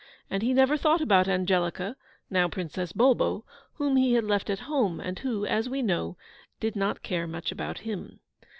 And he never thought about Angelica, now Princess Bulbo, whom he had left at home, and who, as we know, did not care much about him.